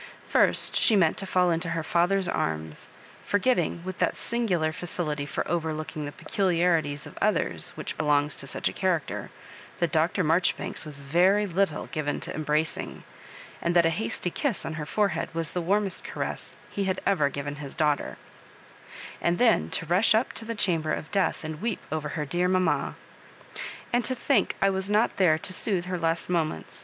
First she meant to fall into her father's arms— forgetting, with that sing^ular faci lity for overlooking the peculiarities of others «vhich belongs to such a character, that Dr. Marjoribanks was very little given to embracing, and that a hasty kiss on her forehead was the warmest caress he had ever given his daughter — and then to rush up to the chamber of death and weep over dear mamma. "And to think I was not there to soothe her last moments!"